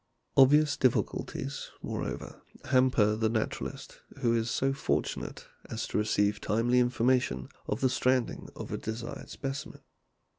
Obvious difficulties, moreover, hamper the naturalist who is so fortunate as to receive timely information of the stranding of a desirable specimen.